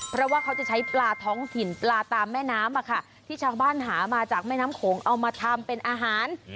เพราะว่าเขาจะใช้ปลาท้องถิ่นปลาตามแม่น้ำที่ชาวบ้านหามาจากแม่น้ำโขงเอามาทำเป็นอาหาร